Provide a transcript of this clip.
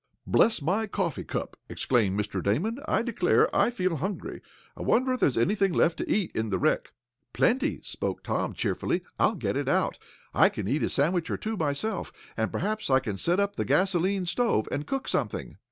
"Bless my coffee cup!" exclaimed Mr. Damon. "I declare, I feel hungry. I wonder if there's anything left to eat in the wreck?" "Plenty," spoke Tom, cheerfully. "I'll get it out. I can eat a sandwich or too myself, and perhaps I can set up the gasolene stove, and cook something."